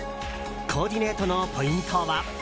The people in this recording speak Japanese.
コーディネートのポイントは？